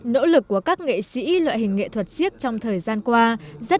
nỗ lực của các nghệ sĩ loại hình nghệ thuật siếc trong thời gian qua rất đáng ghi nhận